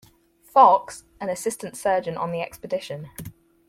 Fox, an assistant surgeon on the expedition.